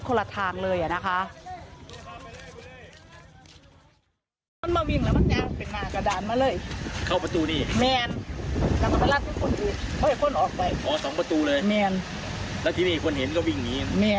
คนละทางเลยนะคะ